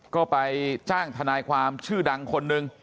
ก็ไปจ้างทนายความชื่อดังคนหนึ่ง